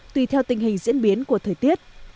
tùy theo tình hình diễn biến của thời tiết